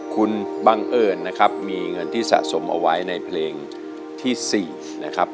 คุณบังเอิญนะครับมีเงินที่สะสมเอาไว้ในเพลงที่๔นะครับ